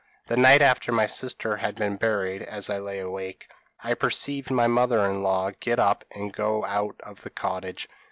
p> "The night after my sister had been buried, as I lay awake, I perceived my mother in law get up and go out of the cottage.